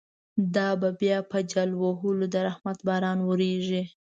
دا به بیا په جل وهلو، د رحمت باران وریږی